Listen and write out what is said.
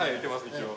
一応。